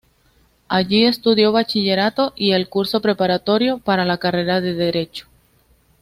Allí estudió Bachillerato y el curso preparatorio para la carrera de Derecho.